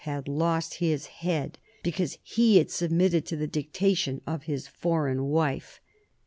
had lost his head because he had submitted to the dictation of his foreign wife.